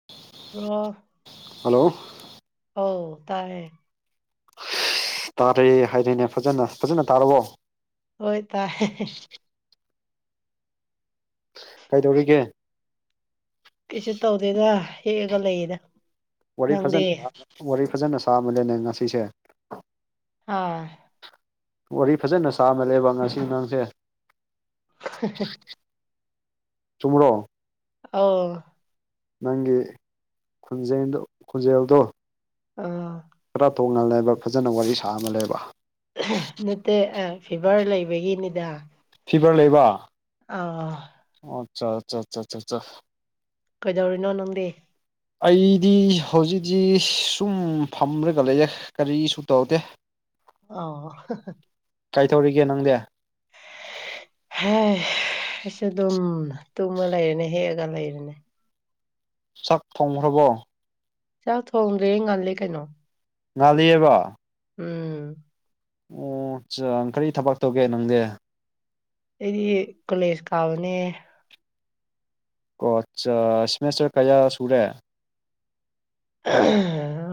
[inaudible] ꯂꯣ hello ꯑꯣ ꯇꯥꯏꯌꯦ ꯇꯥꯔꯦ ꯍꯥꯏꯔꯦꯅꯦ ꯐꯖꯅ ꯐꯖꯅ ꯇꯥꯔꯕꯣ ꯍꯣꯏ ꯇꯥꯏ ꯀꯩꯗꯧꯔꯤꯒꯦ ꯀꯩꯁꯨ ꯇꯧꯗꯦꯗ ꯍꯦꯛꯑꯒ ꯂꯩꯌꯦꯗ ꯋꯥꯔꯤ ꯅꯪꯗꯤ ꯐꯖꯅ ꯋꯥꯔꯤ ꯐꯖꯅ ꯁꯥꯃꯅꯦꯅꯦ ꯉꯁꯤꯁꯦ ꯑꯥ ꯋꯥꯔꯤ ꯐꯖꯅ ꯁꯥꯃꯜꯂꯦꯕ ꯉꯁꯤ ꯅꯪꯁꯦ [unintelligible] ꯆꯨꯝꯃꯔꯣ ꯑꯧ ꯅꯪꯒꯤ ꯈꯨꯟꯖꯦꯜꯗꯣ ꯈꯣꯟꯖꯦꯜꯗꯣ ꯑꯥ ꯈꯔ ꯇꯣꯡꯉꯥꯜꯂꯦꯕ ꯐꯖꯅ ꯋꯥꯔꯤ ꯁꯥꯃꯜꯂꯦꯕ ꯅꯠꯇꯦ ꯐꯤꯚꯔ ꯂꯩꯕꯒꯤꯅꯤꯗ ꯐꯤꯚꯔ ꯂꯩꯕ ꯑꯧ ꯑꯣ ꯑꯆꯥ ꯑꯆꯥ ꯑꯆꯥꯆꯥꯆꯥ ꯀꯩꯗꯧꯔꯤꯅꯣ ꯅꯪꯗꯤ ꯑꯩꯗꯤ ꯍꯧꯖꯤꯛꯖꯤ ꯁꯨꯝ ꯐꯝꯔꯒ ꯂꯩꯌꯦ ꯀꯔꯤꯁꯨ ꯇꯧꯗꯦ ꯑꯣ ꯀꯩꯗꯧꯔꯤꯒꯦ ꯅꯪꯗꯤ ꯍꯦ ꯑꯩꯁꯨ ꯗꯨꯝ ꯇꯨꯝꯃ ꯂꯩꯔꯦꯅꯦ ꯍꯦꯛꯑꯒ ꯂꯩꯔꯦꯅꯦ ꯆꯥꯛ ꯊꯣꯡꯈ꯭ꯔꯕꯣ ꯆꯥꯛ ꯊꯣꯡꯗ꯭ꯔꯤꯌꯦ ꯉꯜꯂꯤ ꯀꯩꯅꯣ ꯉꯜꯂꯤꯌꯦꯕ ꯎꯝ ꯑꯣ ꯆꯥ ꯀꯔꯤ ꯊꯕꯛ ꯇꯧꯒꯦ ꯅꯪꯗꯤ ꯑꯩꯗꯤ ꯀꯣꯂꯦꯖ ꯀꯥꯕꯅꯦ ꯑꯣ ꯑꯠꯆꯥ ꯁꯤꯃꯦꯁꯇꯔ ꯀꯌꯥ ꯁꯨꯔꯦ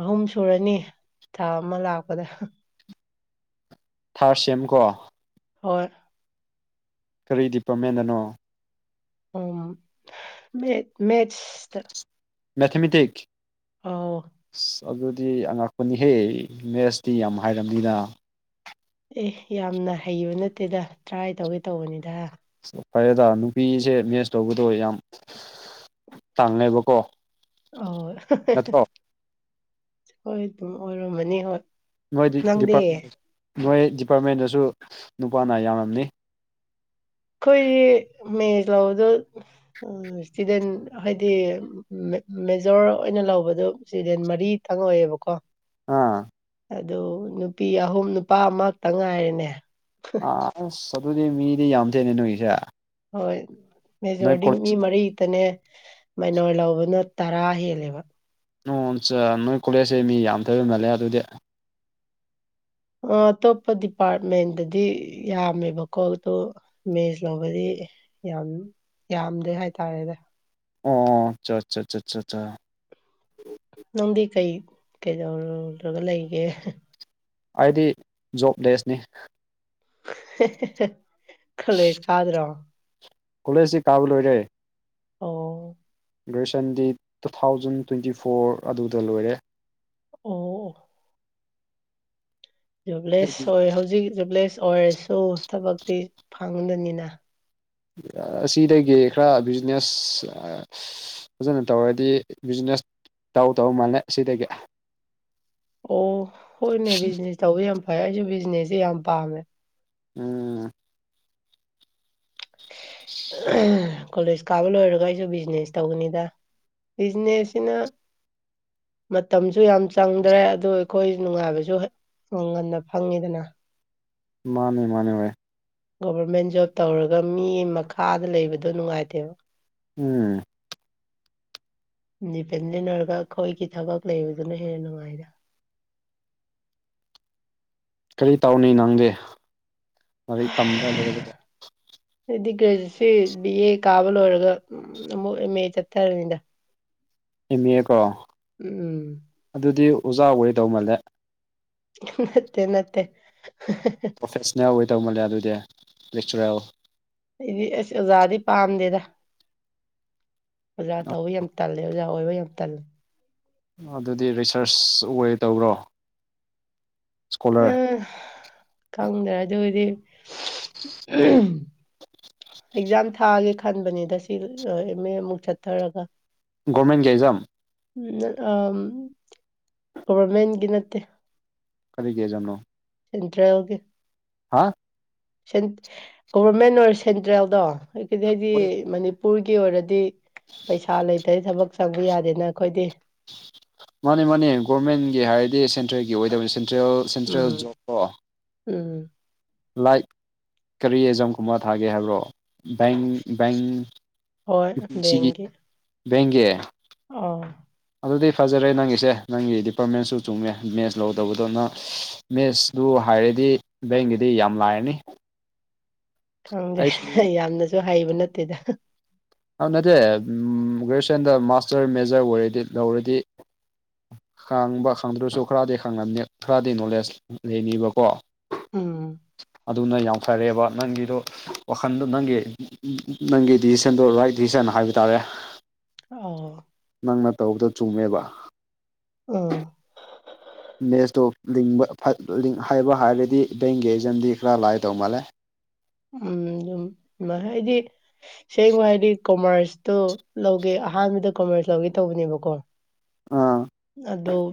ꯑꯍꯨꯝ ꯁꯨꯔꯅꯤ ꯊꯥ ꯑꯃ ꯂꯥꯛꯄꯗ ꯊꯥꯔꯠ ꯁꯦꯝꯀꯣ ꯍꯣꯏ ꯀꯔꯤ ꯗꯤꯄꯥꯔꯠꯃꯦꯟꯗꯅꯣ ꯑꯣꯝ ꯃꯦ ꯃꯦꯊꯁꯇ ꯃꯦꯊꯃꯦꯇꯤꯛꯁ ꯑꯧ ꯑꯗꯨꯗꯤ ꯑꯉꯛꯄꯅꯤꯍꯦ ꯃꯦꯊꯁꯇꯤ ꯌꯥꯝ [inaudible] ꯑꯦ ꯌꯥꯝꯅ ꯍꯩꯕ ꯅꯠꯇꯦꯗ ꯇ꯭ꯔꯥꯏ ꯇꯧꯒꯦ ꯇꯧꯕꯅꯤꯗ ꯐꯔꯦꯗ ꯅꯨꯄꯤꯁꯦ ꯃꯦꯁ ꯂꯧꯕꯗꯣ ꯌꯥꯝ ꯇꯥꯡꯉꯦꯕꯀꯣ ꯑꯧ ꯅꯠꯇ꯭ꯔꯣ ꯍꯣꯏ ꯑꯗꯨꯝ ꯑꯣꯏꯔꯝꯃꯅꯤ ꯍꯣꯏ ꯃꯣꯏꯗꯤ ꯅꯪꯗꯤ ꯗꯤꯄꯥꯔꯠꯃꯦꯟ ꯅꯣꯏ ꯗꯤꯄꯥꯔꯠꯃꯦꯟꯗꯁꯨ ꯅꯨꯄꯥꯅ ꯌꯥꯝꯔꯝꯅꯤ ꯑꯩꯈꯣꯏꯗꯤ ꯃꯦꯊꯁ ꯂꯧꯕꯗꯣ ꯁ꯭ꯇꯨꯗꯦꯟ ꯍꯥꯏꯗꯤ ꯃꯦꯖꯣꯔ ꯑꯣꯏꯅ ꯂꯧꯕꯗꯣ [inaudible] ꯃꯔꯤꯇꯪ ꯑꯣꯏꯌꯦꯕꯀꯣ ꯑꯥ ꯑꯗꯨ ꯅꯨꯄꯤ ꯑꯍꯨꯝ ꯅꯨꯄꯥ ꯑꯃꯛꯇ ꯉꯥꯏꯔꯦꯅꯦ ꯑ꯭ꯁ ꯑꯗꯨꯗꯤ ꯃꯤꯗꯤ ꯌꯥꯝ ꯗꯦꯅꯦ ꯅꯣꯏꯒꯤꯁꯦ ꯍꯣꯏ ꯅꯣꯏ ꯃꯦꯖꯣꯔꯗꯤ ꯀꯣꯂꯦꯖ ꯃꯤ ꯃꯔꯤꯇꯅꯦ ꯃꯅꯣꯔ [unintelligible] ꯂꯧꯕꯅ ꯇꯔꯥ ꯍꯦꯜꯂꯦꯕ ꯅ [unintelligible] ꯅꯣꯏ ꯀꯣꯂꯦꯖꯁꯦ ꯃꯤ ꯌꯥꯝ ꯊꯣꯏꯕꯝꯅꯜꯂꯦ [unintelligible] ꯑꯗꯨꯗꯤ ꯑꯇꯣꯞꯄ ꯗꯤꯄꯥꯔꯠꯃꯦꯟꯗꯗꯤ ꯌꯥꯝꯃꯦꯕꯀꯣ ꯑꯗꯣ ꯃꯦꯁ ꯂꯧꯕꯗꯤ ꯌꯥꯝ ꯌꯥꯝꯗꯦ ꯍꯥꯏꯇꯥꯔꯦꯗ ꯑꯣ ꯑꯆꯥ ꯆ ꯆ ꯆ ꯆ ꯅꯪꯗꯤ ꯀꯩ ꯀꯩꯗꯧꯔꯨꯔ [unintelligible] ꯒ ꯂꯩꯒꯦ ꯑꯩꯗꯤ ꯖꯣꯕꯂꯦꯁꯅꯤ ꯈꯣꯂꯦꯁ ꯀꯥꯗ꯭ꯔꯣ ꯀꯣꯂꯦꯖꯇꯤ ꯀꯥꯕ ꯂꯣꯏꯔꯦ ꯑꯧ ꯒ꯭ꯔꯦꯖꯨꯌꯦꯁꯟꯗꯤ ꯇꯨ ꯊꯥꯎꯖꯟ ꯇ꯭ꯋꯦꯟꯇꯤ ꯐꯣꯔ ꯑꯗꯨꯗ ꯂꯣꯏꯔꯦ ꯑꯣ ꯖꯨꯕꯂꯦꯁ ꯑꯣꯏ ꯍꯧꯖꯤꯛ ꯖꯣꯕꯂꯦꯁ ꯑꯣꯏꯔꯁꯨ ꯊꯕꯛꯇꯤ ꯐꯪꯗꯅꯤꯅ ꯑꯁꯤꯗꯒꯤ ꯈꯔ ꯕꯤꯖꯤꯅꯦꯁ ꯐꯖꯅ ꯇꯧꯔꯗꯤ ꯕꯤꯖꯤꯅꯦꯁ ꯇꯧ ꯇꯧ ꯃꯥꯜꯂꯦ ꯑꯁꯤꯗꯒꯤ ꯑꯣ ꯍꯣꯏꯅꯦ ꯕꯤꯖꯤꯅꯦꯁ ꯇꯧꯕ ꯌꯥꯝ ꯐꯩ ꯑꯩꯁꯨ ꯕꯤꯖꯤꯅꯦꯁꯁꯦ ꯌꯥꯝ ꯄꯥꯝꯃꯦ ꯎꯝ ꯑ ꯀꯣꯂꯦꯖ ꯀꯥꯕ ꯂꯣꯏꯔꯒ ꯑꯩꯁꯨ ꯕꯤꯖꯤꯅꯦꯁ ꯇꯧꯒꯅꯤꯗ ꯕꯤꯖꯤꯅꯦꯁꯁꯤꯅ ꯃꯇꯝꯁꯨ ꯌꯥꯝ ꯆꯪꯗ꯭ꯔꯦ ꯑꯗꯨ ꯑꯩꯈꯣꯏ ꯅꯨꯡꯉꯥꯏꯕꯁꯨ ꯎꯪ ꯉꯟꯅ ꯐꯪꯉꯤꯗꯅ ꯃꯥꯅꯦ ꯃꯥꯅꯦ ꯒꯣꯚꯔꯃꯦꯟ ꯖꯣꯕ ꯇꯧꯔꯒ ꯃꯤ ꯃꯈꯥꯗ ꯂꯩꯕꯗꯣ ꯅꯨꯡꯉꯥꯏꯇꯦꯕ ꯎꯝ ꯗꯤꯄꯦꯟꯃꯤꯟꯅꯔꯒ [unintelligible] ꯑꯩꯈꯣꯏꯒꯤ ꯊꯕꯛ ꯂꯩꯕꯗꯨꯅ ꯍꯦꯟꯅ ꯅꯨꯡꯉꯥꯏꯗ ꯀꯔꯤ ꯇꯧꯅꯤ ꯅꯪꯗꯤ ꯂꯥꯏꯔꯤꯛ ꯇꯝꯕ ꯂꯣꯏꯔꯒ ꯍꯥꯏꯗꯤ [unintelligible] ꯒ꯭ꯔꯦꯖꯨꯑꯦꯠꯁꯤ ꯕꯤ ꯑꯦ ꯀꯥꯕ ꯂꯣꯏꯔꯒ ꯑꯃꯨꯛ ꯑꯦꯝ ꯑꯦ ꯆꯠꯊꯔꯅꯤꯗ ꯑꯦꯝ ꯑꯦ ꯀꯣ ꯎꯝ ꯑꯗꯨꯗꯤ ꯑꯣꯖꯥ ꯑꯣꯏꯗꯧ ꯃꯜꯂꯦ ꯅꯠꯇꯦ ꯅꯠꯇꯦ ꯄ꯭ꯔꯣꯐꯦꯁꯅꯦꯜ ꯑꯣꯏ ꯇꯧꯃꯜꯂꯦ ꯑꯗꯨꯗꯤ ꯂꯦꯛꯆꯔꯦꯜ ꯑꯩꯗꯤ ꯑ꯭ꯁ ꯑꯣꯖꯥꯗꯤ ꯄꯥꯝꯗꯦꯗ ꯑꯣꯖꯥ ꯇꯧꯕ ꯌꯥꯝ ꯇꯜꯂꯦ ꯑꯣꯖꯥ ꯑꯣꯏꯕ ꯌꯥꯝ ꯇꯜꯂꯦ ꯑꯗꯨꯗꯤ ꯔꯤꯁ꯭ꯔꯁ ꯑꯣꯏ ꯇꯧꯔꯣ ꯈꯪꯗ꯭ꯔꯦ ꯑꯗꯨꯗꯤ ꯑꯦꯛꯖꯥꯝ ꯊꯥꯒꯦ ꯈꯟꯕꯅꯤꯗ ꯁꯤ ꯂꯣꯏꯔ ꯑꯦꯝ ꯑꯦ ꯑꯃꯨꯛ ꯆꯠꯊꯔꯒ ꯒꯣꯔꯃꯦꯟꯒꯤ ꯑꯦꯛꯖꯥꯝ ꯒꯣꯕꯔꯃꯦꯟꯒꯤ ꯅꯠꯇꯦ ꯀꯔꯤꯒꯤ ꯑꯦꯛꯖꯥꯝꯅꯣ ꯁꯦꯟꯇ꯭ꯔꯦꯜꯒꯦ ꯍꯥ ꯁꯦꯟ ꯒꯣꯚꯔꯃꯦꯟ ꯑꯣꯢꯔ ꯁꯦꯟꯇ꯭ꯔꯦꯜꯗꯣ ꯑꯗꯨꯗꯩꯗꯤ ꯃꯅꯤ ꯄꯨꯔꯒꯤ ꯑꯣꯢꯔꯗꯤ ꯄꯩꯁꯥ ꯂꯩꯇꯗꯤ ꯊꯕꯛ ꯆꯪꯕ ꯌꯥꯗꯦꯅ ꯑꯈꯣꯢꯗꯤ ꯃꯥꯅꯦ ꯃꯥꯅꯦ ꯒꯣꯔꯃꯦꯟꯒꯤ ꯍꯥꯢꯔꯗꯤ ꯁꯦꯟꯇ꯭ꯔꯦꯜꯒꯤ ꯑꯣꯢꯗꯕꯅꯤ ꯁꯦꯟꯇ꯭ꯔꯦꯜ ꯁꯦꯟꯇ꯭ꯔꯦꯜ ꯎꯝ ꯖꯣꯕꯇꯣ ꯎꯝ ꯂꯥꯏꯠ ꯀꯔꯤ ꯑꯦꯖꯝ ꯀꯨꯝꯕ ꯊꯥꯒꯦ ꯍꯥꯢꯕ꯭ꯔꯣ ꯕꯦꯡ ꯕꯦꯡ ꯍꯣꯏ ꯌꯨ ꯄꯤ ꯁꯤꯒꯤ ꯕꯦꯡꯒꯤ ꯑꯣ ꯑꯗꯨꯗꯤ ꯐꯖꯔꯦ ꯅꯪꯒꯤꯁꯦ ꯅꯪꯒꯤ ꯗꯤꯄꯥꯔꯠꯃꯦꯟꯁꯨ ꯆꯨꯝꯃꯦ ꯃꯦꯁ ꯂꯧꯗꯧꯕꯗꯣ ꯅ ꯃꯦꯁꯗꯨ ꯍꯥꯢꯔꯗꯤ ꯕꯦꯡꯒꯤꯗꯤ ꯌꯥꯝ ꯂꯥꯢꯔꯅꯤ ꯈꯪꯗꯦ ꯌꯥꯝꯅꯁꯨ ꯍꯩꯕ ꯅꯠꯇꯦꯗ ꯑ ꯅꯠꯇꯦ ꯎꯝ ꯒ꯭ꯔꯦꯖꯨꯑꯦꯁꯟꯗ ꯃꯥꯁꯇꯔ ꯃꯦꯖꯔ ꯑꯣꯢꯔꯗꯤ ꯂꯧꯔꯗꯤ ꯈꯥꯡꯕ ꯈꯪꯗ꯭ꯔꯁꯨ ꯈꯔꯗꯤ ꯈꯪꯂꯝꯅꯤ ꯈꯔꯗꯤ ꯅꯣꯂꯦꯖ ꯂꯩꯅꯤꯕꯀꯣ ꯎꯝ ꯑꯗꯨꯅ ꯌꯥꯝ ꯐꯔꯦꯕ ꯅꯪꯒꯤꯗꯣ ꯋꯥꯈꯟꯗꯣ ꯅꯪꯒꯤ ꯅꯪꯒꯤ ꯗꯤꯁꯤꯁꯟ ꯗꯣ ꯔꯥꯢꯠ ꯗꯤꯁꯤꯖꯟ ꯍꯥꯢꯕ ꯇꯥꯔꯦ ꯑꯣ ꯅꯪꯅ ꯇꯧꯕꯗꯨ ꯆꯨꯝꯃꯦꯕ ꯎꯝ ꯃꯦꯁꯇꯣ ꯂꯤꯡꯕ ꯐꯠ ꯂꯤꯡ ꯍꯩꯕ ꯍꯥꯢꯔꯗꯤ ꯕꯦꯡꯒꯤ ꯑꯦꯖꯥꯝꯗꯤ ꯈꯔ ꯂꯥꯢꯒ ꯇꯧ ꯃꯥꯜꯂꯦ ꯎꯝ ꯑꯗꯨꯝ ꯍꯥꯢꯗꯤ ꯁꯦꯡꯅꯣ ꯍꯥꯢꯗꯤ ꯀꯣꯃꯔꯁ ꯇꯣ ꯂꯧꯒꯦ ꯑꯍꯥꯟꯕꯗ ꯀꯃꯔꯁ ꯂꯧꯒꯦ ꯇꯧꯕꯅꯦꯕꯀꯣ ꯑ ꯑꯗꯨꯝ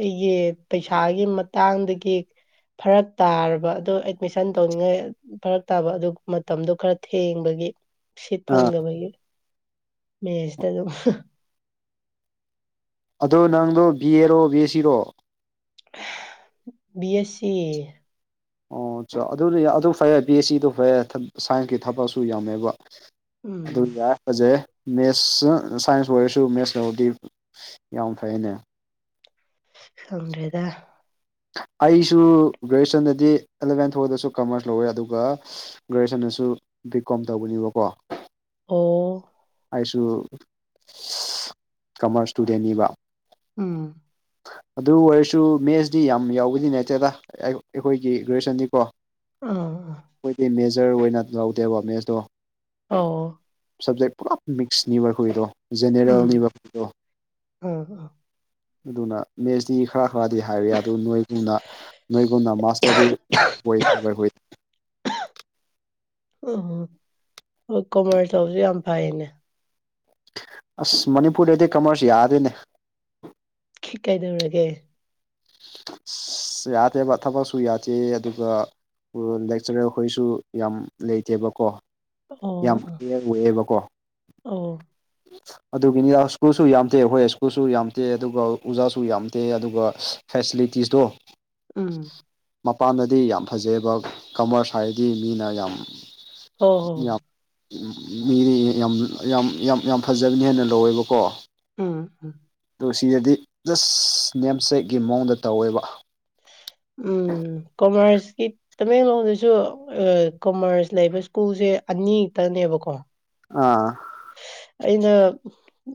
ꯑꯩꯒꯤ ꯄꯩꯁꯥꯒꯤ ꯃꯇꯥꯡꯗꯒꯤ ꯐꯔꯛ ꯇꯥꯔꯕ ꯑꯗꯣ ꯃꯤꯁꯟ ꯇꯧꯅꯤꯡꯉꯥꯢ ꯐꯔꯛ ꯇꯥꯕ ꯑꯗꯨ ꯃꯇꯝꯗꯣ ꯈꯔ ꯊꯦꯡꯕꯒꯤ ꯁꯤꯠ ꯑꯥ ꯐꯪꯗꯕꯒꯤ ꯃꯦꯁꯇ ꯑꯗꯨꯝ ꯑꯗꯣ ꯅꯪꯗꯣ ꯕꯤ ꯑꯦꯔꯣ ꯕꯤ ꯑꯦꯁ ꯁꯤꯔꯣ ꯕꯤ ꯑꯦꯁ ꯁꯤ ꯑꯣ ꯆꯥ ꯑꯗꯨꯗꯤ ꯑꯗꯨ ꯐꯩ ꯕꯤ ꯑꯦꯁ ꯁꯤ ꯑꯗꯨ ꯐꯩ ꯁꯥꯏꯟꯁꯀꯤ ꯊꯕꯛꯁꯨ ꯌꯥꯝꯃꯦꯕ ꯑꯗꯨ ꯎꯝ ꯌꯥꯢ ꯐꯖꯩꯍꯦ ꯃꯦꯠꯁ ꯁꯥꯏꯟꯁ ꯑꯣꯢꯔꯁꯨ ꯃꯦꯠꯁ ꯂꯧꯔꯗꯤ ꯌꯥꯝ ꯐꯩꯅꯦ ꯈꯪꯗ꯭ꯔꯦꯗ ꯑꯩꯁꯨ ꯒ꯭ꯔꯦꯖꯨꯋꯦꯁꯟꯗꯗꯤ ꯑꯦꯂꯚꯦꯟ ꯐꯥꯎꯗꯁꯨ ꯀꯃꯔꯁ ꯂꯧꯋꯦ ꯑꯗꯨꯒ ꯒ꯭ꯔꯦꯖꯨꯑꯦꯁꯟꯗꯁꯨ ꯕꯤ ꯀꯣꯝ ꯇꯧꯕꯅꯦꯕꯀꯣ ꯑꯣ ꯑꯩꯁꯨ ꯏꯁ ꯀꯃꯔꯁ ꯏꯁꯇꯨꯗꯦꯟꯅꯤꯕ ꯎꯝ ꯑꯗꯨ ꯑꯣꯢꯔꯁꯨ ꯃꯦꯠꯁꯇꯤ ꯌꯥꯝ ꯌꯥꯎꯕꯗꯤ ꯅꯠꯇꯦꯗ ꯑꯩꯈꯣꯢꯒꯤ ꯒ꯭ꯔꯦꯖꯨꯌꯦꯁꯟꯗꯤ ꯀꯣ ꯑ ꯈꯣꯢꯗꯤ ꯃꯦꯖꯔ ꯑꯣꯢꯅ ꯂꯧꯗꯦꯕ ꯃꯦꯠꯁꯇꯣ ꯑꯧ ꯁꯕꯖꯦꯛ ꯄꯨꯔꯥ ꯃꯤꯛꯁꯅꯤꯕ ꯑꯈꯣꯢꯗꯣ ꯎꯝ ꯖꯦꯅꯦꯔꯦꯜꯅꯤꯕ ꯑꯈꯣꯢꯗꯣ ꯑꯥ ꯑꯥ ꯑꯗꯨꯅ ꯃꯦꯠꯁꯇꯤ ꯈꯔ ꯈꯔꯗꯤ ꯍꯥꯢꯔꯦ ꯑꯗꯨ ꯅꯣꯢꯒꯨꯝꯅ ꯅꯣꯏꯒꯨꯝꯅ ꯃꯥꯁ ꯇꯔꯗꯤ ꯑꯣꯢꯗꯦꯕ ꯑꯩꯈꯣꯢ ꯑꯣꯍ ꯑꯣꯍꯣ [unintelligible] ꯇꯧꯕꯁꯨ ꯌꯥꯝ ꯐꯩꯌꯦꯅꯦ ꯑꯁ ꯃꯅꯤꯄꯨꯔꯗꯗꯤ ꯀꯃ꯭ꯔꯁ ꯌꯥꯗꯦꯅꯦ ꯁꯤ ꯀꯩꯗꯧꯔꯒꯦ ꯑꯁ ꯌꯥꯗꯦꯕ ꯊꯕꯛꯁꯨ ꯌꯥꯗꯦ ꯑꯗꯨꯒ [unintelligible] ꯂꯦꯛꯆꯔꯦꯜ ꯈꯣꯏꯁꯨ ꯌꯥꯝ ꯂꯩꯇꯦꯕꯀꯣ ꯌꯥꯝ ꯑꯣ ꯀꯤꯌꯔ ꯑꯣꯏꯌꯦꯕꯀꯣ ꯑꯣ ꯑꯗꯨꯒꯤꯅꯤ ꯁ꯭ꯀꯨꯜꯁꯨ ꯌꯥꯝꯗꯦ ꯍꯣꯏ ꯁ꯭ꯀꯨꯜꯁꯨ ꯌꯥꯝꯗꯦ ꯑꯗꯨꯒ ꯑꯣꯖꯥꯁꯨ ꯌꯥꯝꯗꯦ ꯑꯗꯨꯒ ꯐꯦꯁꯤꯂꯤꯇꯤꯁ ꯗꯣ ꯎꯨꯝ ꯃꯄꯥꯟꯗꯗꯤ ꯌꯥꯝ ꯐꯖꯩꯌꯦꯕ ꯀꯃ꯭ꯔꯁ ꯍꯥꯏꯔꯗꯤ ꯃꯤꯅ ꯌꯥꯝ ꯍꯣ ꯍꯣ ꯌꯥꯝ ꯃꯤꯗꯤ ꯌꯥꯝ ꯌꯥꯝ ꯌꯥꯝ ꯌꯥꯝ ꯐꯖꯕꯅꯤ ꯍꯥꯏꯅ ꯂꯧꯋꯦꯕꯀꯣ ꯎꯝ ꯎꯨ ꯗꯨ ꯁꯤꯗꯗꯤ ꯖꯁ ꯅꯦꯝꯁꯦꯛꯀꯤ ꯃꯑꯣꯡꯗ ꯇꯧꯋꯦꯕ꯫ ꯎꯝ ꯀꯃ꯭ꯔꯁꯀꯤ ꯇꯃꯦꯡꯂꯣꯡꯗꯁꯨ ꯑ ꯀꯃ꯭ꯔꯁ ꯂꯩꯕ ꯁ꯭ꯀꯨꯜꯁꯦ ꯑꯅꯤ ꯈꯛꯇꯅꯦꯕꯀꯣ ꯑꯥ ꯑꯩꯅ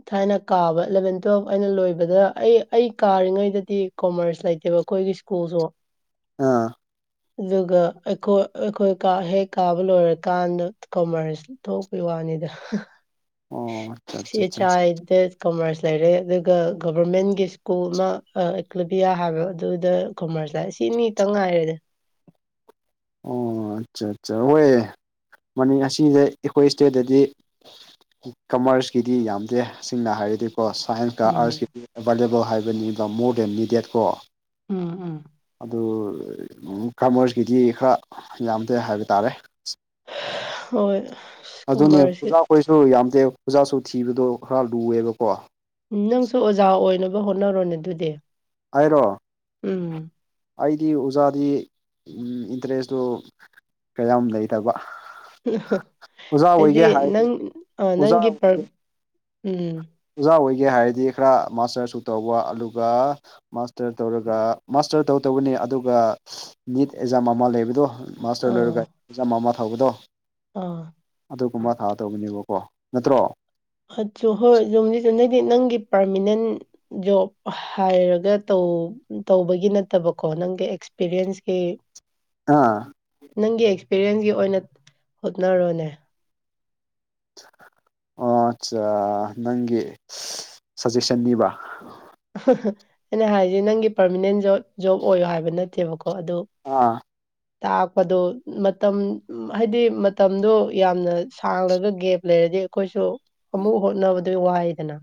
ꯊꯥꯏꯅ ꯀꯥꯕ ꯑꯦꯂꯚꯦꯟ ꯇꯨꯋꯦꯜꯄ ꯑꯩꯅ ꯂꯣꯏꯕꯗ ꯑꯩ ꯑꯩ ꯀꯥꯔꯤꯉꯩꯗꯗꯤ ꯀꯣꯃ꯭ꯔꯁ ꯂꯩꯇꯦꯕ ꯑꯩꯈꯣꯏꯒꯤ ꯁ꯭ꯀꯨꯜꯁꯨ ꯑꯥ ꯑꯗꯨꯒ ꯑꯩꯈꯣꯏ ꯑꯩꯈꯣꯏ ꯀꯥ ꯍꯦꯛ ꯀꯥꯕ ꯂꯣꯏꯔꯀꯥꯟꯗ ꯀꯣꯃ꯭ꯔꯁ ꯊꯣꯛꯄꯩ ꯋꯥꯅꯤꯗ ꯑꯣ ꯑꯆꯥ ꯑꯆꯥ [unintelligible] ꯗꯦꯠ ꯀꯃ꯭ꯔꯁ ꯂꯩꯔꯦ ꯑꯗꯨꯒ ꯒꯕꯔꯃꯦꯟꯒꯤ ꯁ꯭ꯀꯨꯜ ꯑꯃ ꯑꯥ ꯑꯦꯀ꯭ꯂꯕꯤꯌꯥ ꯍꯥꯏꯕ ꯑꯗꯨꯗ ꯀꯣꯃ꯭ꯔꯁ ꯂꯥꯏ ꯁꯤꯅꯤꯇꯪ ꯉꯥꯏꯔꯦꯗ ꯑꯣ ꯑꯠꯆꯥ ꯑꯠꯆꯥ ꯍꯣꯏ ꯃꯅꯤ [unintelligible] ꯑꯩꯈꯣꯏ ꯏꯁꯇꯦꯠꯇꯗꯤ ꯀꯨ ꯀꯃ꯭ꯔꯁꯀꯤꯗꯤ ꯌꯥꯝꯗꯦ ꯁꯦꯡꯅ ꯍꯥꯏꯔꯗꯤ ꯀꯣ ꯁꯥꯏꯟꯁꯀ ꯎꯝ ꯑꯥꯔꯠꯁꯀꯤꯗꯤ ꯑꯦꯕꯥꯏꯂꯦꯕꯜ ꯍꯥꯏꯕꯅꯤꯕ ꯃꯣꯔ ꯗꯦꯟ ꯅꯤꯗꯦꯠ ꯀꯣ ꯎꯝ ꯎꯝ ꯗꯨ ꯀꯃ꯭ꯔꯁꯀꯤꯗꯤ ꯈꯔ ꯌꯥꯝꯗꯦ ꯍꯥꯏꯕ ꯇꯥꯔꯦ꯫ ꯍꯣꯏ ꯀꯃ꯭ꯔꯁꯁꯤ ꯈꯣꯏꯁꯨ ꯌꯥꯝꯗꯦ ꯑꯣꯖꯥꯁꯨ ꯊꯤꯕꯗꯣ ꯈꯔ ꯂꯨꯑꯦꯕꯀꯣ ꯎꯨꯝ ꯅꯪꯁꯨ ꯑꯣꯖꯥ ꯑꯣꯏꯅꯕ ꯍꯣꯠꯅꯔꯣꯅꯦ ꯑꯗꯨꯗꯤ꯫ ꯑꯩꯔꯣ ꯎꯨꯝ ꯑꯩꯗꯤ ꯑꯣꯖꯥꯗꯤ ꯎꯨꯝ ꯏꯟꯇꯔꯦꯁꯇꯨ ꯀꯌꯥꯝ ꯂꯩꯇꯕ ꯎꯨꯝꯍ ꯑꯣꯖꯥ ꯍꯑꯩꯗꯤ ꯑꯣꯏꯒꯦ ꯍꯥꯏꯔꯗꯤ ꯅꯪ ꯑꯥ ꯑꯣꯖꯥ ꯅꯪꯒꯤ ꯄꯔ ꯑꯣꯏꯒꯦ ꯎꯝ ꯑꯣꯖꯥ ꯑꯣꯏꯒꯦ ꯍꯥꯏꯔꯗꯤ ꯈꯔ ꯃꯥꯁꯇꯔꯁꯨ ꯇꯧꯕ ꯑꯗꯨꯒ ꯃꯥꯁꯇꯔ ꯇꯧꯔꯒ ꯃꯥꯁꯇꯔ ꯇꯧꯗꯧꯕꯅꯦ ꯑꯗꯨꯒ ꯅꯤꯠ ꯑꯦꯛꯖꯥꯝ ꯑꯃ ꯂꯩꯕꯗꯣ ꯃꯥꯁꯇꯔ ꯂꯣꯏꯔꯒ ꯑꯥ ꯑꯦꯛꯖꯥꯝ ꯑꯃ ꯊꯥꯕꯗꯣ ꯑꯥ ꯑꯗꯨꯒꯨꯝꯕ ꯊꯥꯇꯧꯕꯅꯦꯕꯀꯣ ꯅꯠꯇ꯭ꯔꯣ ꯍꯣꯏ ꯆꯥ ꯍꯣꯏ [unintelligible] ꯅꯪꯒꯤ ꯄꯥꯔꯃꯤꯅꯦꯟ ꯖꯣꯕ ꯍꯥꯏꯔꯒ ꯇꯧ ꯇꯧꯕꯒꯤ ꯅꯠꯇꯕꯀꯣ ꯅꯪꯒꯤ ꯑꯦꯛꯁꯄꯤꯔꯤꯌꯦꯟꯁꯀꯤ [inaudible] ꯑꯥ ꯅꯪꯒꯤ ꯑꯦꯛꯁꯄꯤꯌꯦꯟꯁꯀꯤ ꯑꯣꯏꯅ ꯍꯣꯠꯅꯔꯣꯅꯦ ꯑꯠꯆꯥ ꯅꯪꯒꯤ ꯁꯖꯦꯁꯟꯅꯤꯕ ꯑꯩꯅ ꯍꯥꯏꯁꯦ ꯅꯪꯒꯤ ꯄꯔꯃꯤꯅꯦꯟ ꯖꯣꯞ ꯖꯣꯞ ꯑꯣꯏꯌꯣ ꯍꯥꯏꯕ ꯅꯠꯇꯦꯕꯀꯣ ꯑꯗꯨ ꯑꯥ ꯇꯥꯛꯄꯗꯨ ꯃꯇꯝ ꯍꯥꯏꯗꯤ ꯃꯇꯝꯗꯣ ꯌꯥꯝꯅ ꯁꯥꯡꯂꯒ ꯒꯦꯞ ꯂꯩꯔꯗꯤ ꯑꯩꯈꯣꯏꯁꯨ ꯑꯃꯨꯛ ꯍꯣꯠꯅꯕꯗꯨ ꯋꯥꯏꯗꯅ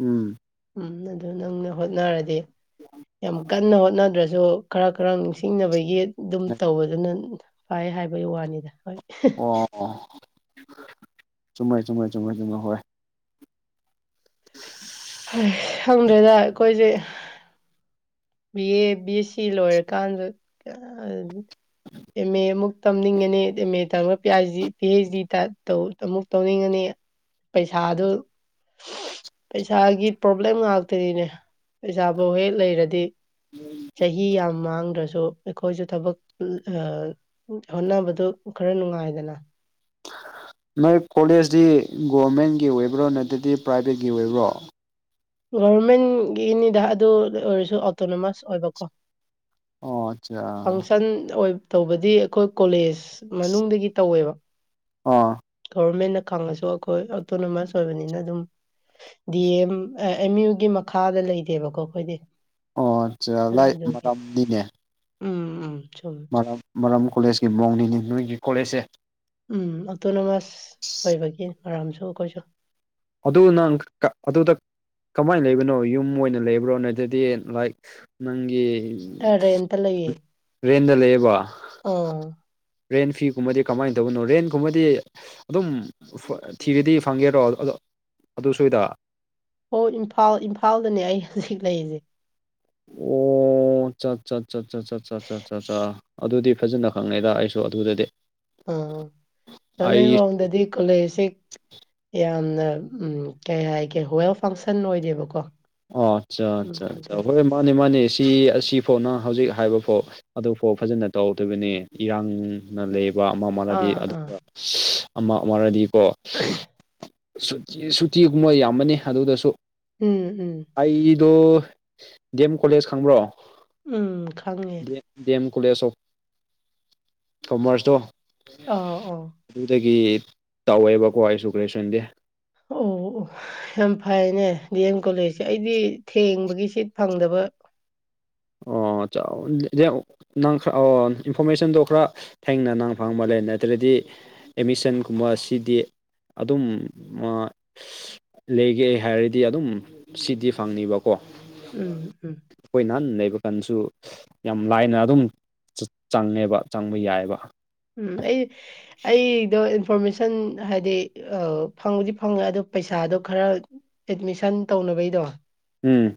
ꯎꯝ ꯎꯝ ꯑꯗꯨ ꯅꯪꯅ ꯍꯣꯠꯅꯔꯗꯤ ꯌꯥꯝ ꯀꯟꯅ ꯍꯣꯠꯅꯗ꯭ꯔꯁꯨ ꯈꯔ ꯈꯔ ꯅꯤꯡꯁꯤꯡꯅꯕꯒꯤ ꯑꯗꯨꯝ ꯇꯧꯕꯗꯨꯅ ꯄꯥꯏ ꯍꯥꯏꯕꯩ ꯋꯥꯅꯤꯗ ꯍꯣꯏ ꯑꯣ ꯆꯨꯝꯃꯦ ꯆꯨꯝꯃꯦ ꯆꯨꯝꯃꯦ ꯆꯨꯝꯃꯦ ꯍꯣꯏ ꯈꯪꯗ꯭ꯔꯦꯗ ꯑꯩꯈꯣꯏꯁꯦ ꯕꯤ꯬ꯑꯦ ꯕꯤ꯬ꯑꯦꯁ꯬ꯁꯤ ꯂꯣꯏꯔ ꯀꯥꯟꯗ ꯀꯥꯏꯗꯅꯣ ꯑꯦꯝ꯬ꯑꯦ ꯑꯃꯨꯛ ꯇꯝꯅꯤꯡꯉꯅꯤ ꯑꯦꯝ꯬ꯑꯦ ꯇꯝꯃ ꯄꯤ꯬ꯑꯥꯏ꯬ꯖꯤ ꯄꯤ꯬ꯑꯩꯩꯆ꯬ꯗꯤ ꯇꯥ ꯇꯧ ꯑꯃꯨꯛ ꯇꯧꯅꯤꯡꯉꯅꯤ ꯄꯩꯁꯥꯗꯨ ꯄꯩꯁꯥꯒꯤ ꯄ꯭ꯔꯣꯕ꯭ꯂꯦꯝ ꯉꯥꯛꯇꯅꯤꯅꯦ ꯄꯩꯁꯥꯕꯨ ꯍꯦꯛ ꯂꯩꯔꯗꯤ ꯆꯍꯤ ꯌꯥꯝ ꯃꯥꯡꯗ꯭ꯔꯁꯨ ꯑꯩꯈꯣꯏꯁꯨ ꯊꯥꯕꯛ ꯑꯥ ꯍꯣꯠꯅꯕꯗꯨ ꯈꯔ ꯅꯨꯡꯉꯥꯏꯗꯅ ꯅꯣꯏ ꯀꯣꯂꯦꯖꯇꯤ ꯒꯣꯚꯃꯦꯟꯒꯤ ꯑꯣꯏꯕ꯭ꯔꯣ ꯅꯠꯇ꯭ꯔꯗꯤ ꯄ꯭ꯔꯥꯏꯚꯦꯠꯀꯤ ꯑꯣꯏꯕ꯭ꯔꯣ ꯒꯣꯚꯔꯃꯦꯟꯒꯤꯅꯤꯗ ꯑꯗꯨ ꯑꯣꯏꯔꯁꯨ ꯑꯣꯇꯣꯅꯣꯃꯁ ꯑꯣꯏꯕꯀꯣ ꯑꯣ ꯑꯠꯆꯥ ꯐꯪꯁꯟ ꯑꯣꯏ ꯇꯧꯕꯗꯤ ꯑꯩꯈꯣꯏ ꯀꯣꯂꯦꯖ ꯃꯅꯨꯡꯗꯒꯤ ꯇꯧꯋꯦꯕ ꯑꯣ ꯒꯣꯕꯔꯃꯦꯟꯅ ꯈꯪꯉꯁꯨ ꯑꯩꯈꯣꯏ ꯑꯣꯇꯣꯅꯣꯃꯁ ꯑꯣꯏꯕꯅꯤꯅ ꯑꯗꯨꯝ ꯗꯤ꯬ꯑꯦꯝ ꯑꯦꯝ꯬ꯌꯨꯒꯤ ꯃꯈꯥꯗ ꯂꯩꯇꯦꯕꯀꯣ ꯑꯩꯈꯣꯏꯗꯤ ꯑꯣ ꯆꯥ ꯂꯥꯏꯛ ꯑꯗꯨꯒꯤ ꯃꯔꯝꯅꯤꯅꯦ ꯎꯝ ꯎꯝ ꯆꯨꯝꯃꯦ ꯃꯔꯥꯝ ꯃꯔꯥꯝ ꯀꯣꯂꯦꯖꯀꯤ ꯃꯑꯣꯡꯅꯤꯅꯦ ꯅꯣꯏꯒꯤ ꯀꯣꯂꯦꯖꯁꯦ ꯎꯝ ꯑꯣꯇꯣꯅꯣꯃꯁ ꯑꯣꯏꯕꯒꯤ ꯃꯔꯥꯝꯁꯨ ꯑꯩꯈꯣꯏꯁꯨ ꯑꯗꯨ ꯅꯪ ꯀ ꯑꯗꯨꯗ ꯀꯃꯥꯏꯟ ꯂꯩꯕꯅꯣ ꯌꯨꯝ ꯑꯣꯏꯅ ꯂꯩꯕ꯭ꯔꯣ ꯅꯠꯇꯗꯤ ꯂꯥꯏꯛ ꯅꯪꯒꯤ ꯇ ꯔꯦꯟꯇ ꯂꯩꯌꯦ ꯔꯦꯟꯗ ꯂꯩꯌꯦꯕ ꯑꯝ ꯔꯦꯟ ꯐꯤꯒꯨꯝꯕꯗꯤ ꯀꯃꯥꯏꯟ ꯇꯧꯕꯅꯣ ꯔꯦꯟꯒꯨꯝꯕꯗꯤ ꯑꯗꯨꯝ ꯊꯤꯔꯗꯤ ꯐꯪꯒꯦꯔꯣ ꯑꯗꯨ ꯁ꯭ꯋꯥꯏꯗ ꯍꯣꯏ ꯏꯝꯐꯥꯜ ꯏꯝꯐꯥꯜꯗꯅꯦ ꯑꯩ ꯍꯧꯖꯤꯛ ꯂꯩꯔꯤꯁꯤ [inaudible] ꯑꯣ ꯆꯥ ꯆꯥ ꯆꯥ ꯆꯥ ꯆꯥ ꯆꯥ ꯆꯥ ꯆꯥ ꯆꯥ ꯑꯗꯨꯗꯤ ꯐꯖꯅ ꯈꯪꯅꯩꯗ ꯑꯩꯁꯨ ꯑꯗꯨꯗꯗꯤ ꯑꯝ [unintelligible] ꯑꯩ ꯃꯑꯣꯡꯗꯗꯤ ꯀꯣꯂꯦꯖꯁꯤ ꯌꯥꯝꯅ ꯎꯝ ꯀꯩ ꯍꯥꯏꯒꯦ ꯋꯦꯜ ꯐꯪꯁꯟ ꯑꯣꯏꯗꯦꯕꯀꯣ ꯑꯣ ꯑꯠꯆꯥ ꯎꯝ ꯑꯗꯨ ꯑꯠꯆꯥ ꯍꯣꯏ ꯃꯥꯅꯦ ꯃꯥꯅꯦ ꯁꯤ ꯑꯁꯤ ꯐꯥꯎꯅ ꯍꯧꯖꯤꯛ ꯍꯥꯏꯕ ꯐꯥꯎ ꯑꯗꯨ ꯐꯥꯎ ꯐꯖꯅ ꯇꯧꯗꯣꯏꯕꯅꯦ ꯏꯔꯥꯡ ꯂꯩꯕ ꯑꯃ ꯃꯔꯗꯤ ꯑꯥ ꯑꯥ ꯑꯗꯨꯒ ꯑꯃ ꯑꯃꯔꯗꯤꯀꯣ ꯁꯨꯇꯤ ꯁꯨꯇꯤꯒꯨꯝꯕ ꯌꯥꯝꯃꯅꯤ ꯑꯗꯨꯗꯁꯨ ꯎꯝ ꯎꯝ ꯑꯩꯗꯨ ꯗꯤ꯬ꯑꯦꯝ ꯀꯣꯂꯦꯖ ꯈꯪꯕ꯭ꯔꯣ ꯎꯝ ꯈꯪꯉꯦ ꯗꯤ ꯑꯦꯝ ꯀꯣꯂꯦꯖ ꯑꯣꯐ ꯀꯣꯃꯔꯁꯇꯣ ꯑ ꯑꯣ ꯑꯗꯨꯗꯒꯤ ꯇꯧꯋꯦꯕꯀꯣ ꯑꯩꯁꯨ ꯒ꯭ꯔꯦꯖꯨꯋꯟ ꯗꯤ ꯑꯣ ꯑꯣ ꯌꯥꯝ ꯐꯩꯅꯦ ꯗꯤ ꯑꯦꯝ ꯀꯣꯂꯦꯖꯁꯦ ꯑꯩꯗꯤ ꯊꯦꯡꯕꯒꯤ ꯁꯤꯠ ꯐꯪꯗꯕ ꯑꯣ ꯆꯥꯎꯋꯤꯟ [unintelligible] ꯅꯪ ꯈꯔ ꯑꯣ ꯏꯟꯐꯣꯔꯃꯦꯁꯟꯗꯣ ꯈꯔ ꯊꯦꯡꯅ ꯅꯪ ꯐꯪꯕ ꯂꯩ ꯅꯠꯇ꯭ꯔꯗꯤ ꯑꯦꯃꯤꯁꯟꯒꯨꯝꯕ ꯁꯤꯗꯤ ꯑꯗꯨꯝ ꯑꯥ ꯂꯩꯒꯦ ꯍꯥꯏꯔꯗꯤ ꯑꯗꯨꯝ ꯁꯤꯗꯤ ꯐꯪꯅꯤꯕ ꯎꯝ ꯎꯝ ꯑꯈꯣꯏ ꯅꯍꯥꯟ ꯂꯩꯕ ꯀꯥꯟꯗꯁꯨ ꯌꯥꯝ ꯂꯥꯏꯅ ꯑꯗꯨꯝ ꯆꯪ ꯆꯪꯉꯦꯕ ꯆꯪꯕ ꯌꯥꯏꯕ ꯎꯝ ꯑꯩ ꯑꯩꯗꯣ ꯏꯟꯐꯣꯔꯃꯦꯁꯟ ꯍꯥꯏꯗꯤ ꯑꯥ ꯐꯪꯕꯨꯗꯤ ꯐꯪꯉꯦ ꯑꯗꯣ ꯄꯩꯁꯥꯗꯣ ꯈꯔ ꯑꯦꯠꯃꯤꯁꯟ ꯇꯧꯅꯕꯩꯗꯣ ꯎꯝ